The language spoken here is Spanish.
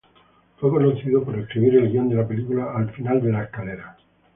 Fue conocido por escribir el guion de la película "Al final de la escalera".